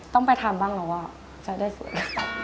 ต้องไปทำบ้างแล้วว่าจะได้สวย